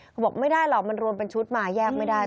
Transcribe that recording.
บอกไม่ได้หรอกมันรวมเป็นชุดมาแยกไม่ได้